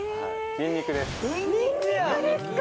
ニンニクですか？